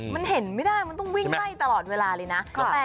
มันเห็นไม่ได้มันต้องวิ่งไล่ตลอดเวลาเลยนะ